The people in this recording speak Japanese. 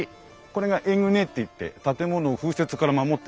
これがエグネっていって建物を風雪から守ってるんですね。